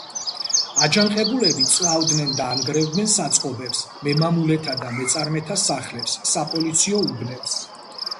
აჯანყებულები წვავდნენ და ანგრევდნენ საწყობებს, მემამულეთა და მეწარმეთა სახლებს, საპოლიციო უბნებს.